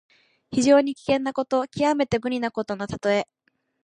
非常に危険なこと、きわめて無理なことのたとえ。